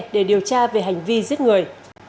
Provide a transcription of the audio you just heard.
để điều tra về hành vi giết người